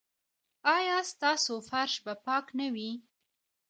ایا ستاسو فرش به پاک نه وي؟